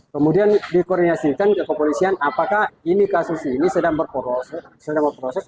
kemudian dikoordinasikan ke kepolisian apakah ini kasus ini sedang berproses